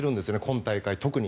今大会、特に。